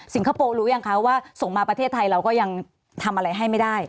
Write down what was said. คโปร์รู้ยังคะว่าส่งมาประเทศไทยเราก็ยังทำอะไรให้ไม่ได้